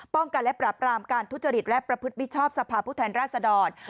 ป้องกันและปรับรามการทุจริตและประพฤติบิชอบสภาพุทธแห่งราษฎร